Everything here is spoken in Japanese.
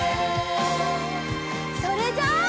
それじゃあ。